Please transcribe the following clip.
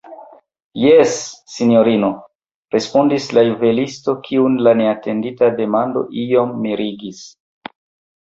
Jes, sinjorino, respondis la juvelisto, kiun la neatendita demando iom mirigis.